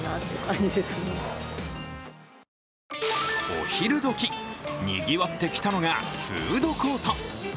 お昼どき、にぎわってきたのがフードコート。